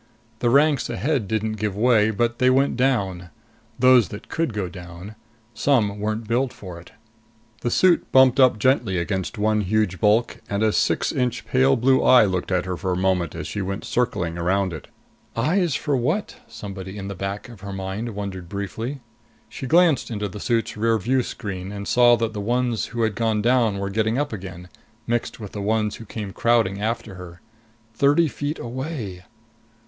The ranks ahead didn't give way, but they went down. Those that could go down. Some weren't built for it. The suit bumped up gently against one huge bulk, and a six inch pale blue eye looked at her for a moment as she went circling around it. "Eyes for what?" somebody in the back of her mind wondered briefly. She glanced into the suit's rear view screen and saw that the ones who had gone down were getting up again, mixed with the ones who came crowding after her. Thirty feet away!